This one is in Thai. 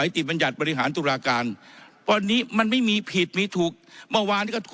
ท่านก็ทราบดีว่า